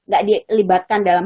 gak dilibatkan dalam